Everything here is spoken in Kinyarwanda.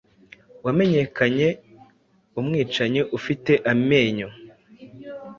Wamenyekanye umwicanyi ufite amenyo